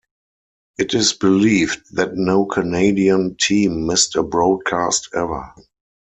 It is believed that no Canadian team missed a broadcast ever.